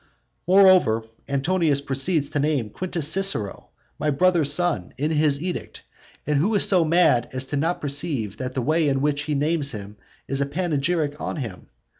VII. Moreover, Antonius proceeds to name Quintus Cicero, my brother's son, in his edict; and is so mad as not to perceive that the way in which he names him is a panegyric on him.